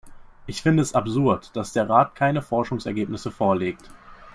Ich finde es absurd, dass der Rat keine Forschungsergebnisse vorlegt.